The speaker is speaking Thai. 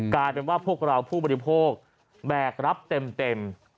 กลายเป็นว่าพวกเราผู้บริโภคแบกรับเต็ม